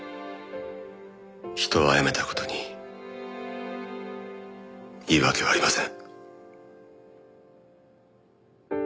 人を殺めた事に言い訳はありません。